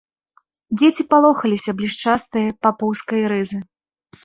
Дзеці палохаліся блішчастае папоўскае рызы.